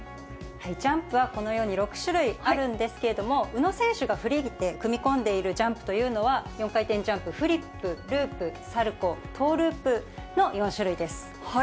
ジャンプはこのように６種類あるんですけれども、宇野選手がフリーで組み込んでいるジャンプというのは、４回転ジャンプ、フリップ、ループ、サルコー、トーループの４種類です。